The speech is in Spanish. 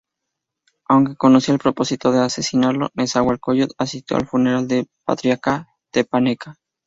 Aunque conocía el propósito de asesinarlo, Nezahualcóyotl asistió al funeral del patriarca tepaneca.